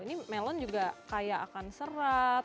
ini melon juga kayak akan serat